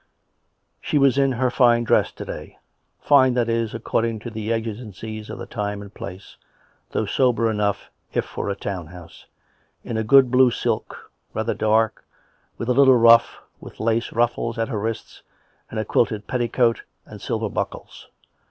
She was in her fine dress to day — fine, that is, according to the exigencies of the time and place, though sober enough if for a town house — in a good blue silk, rather dark, with a little rufF, with lace ruffles at her wrists, and 72 COME RACK! COME ROPE! a quilted petticoat, and silver buckles.